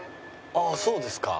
ああそうですか。